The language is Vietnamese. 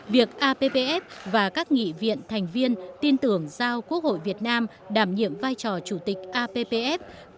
việc appf và các nghị viện thành viên tin tưởng giao quốc hội việt nam đảm nhiệm vai trò chủ tịch appf